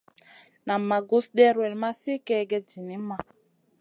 Nan ma gus ɗewrel ma sli kègèd zinimma.